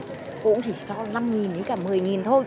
cô cũng chỉ cho năm nghìn với cả một mươi nghìn thôi